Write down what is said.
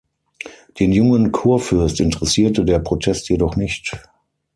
Den jungen Kurfürst interessierte der Protest jedoch nicht.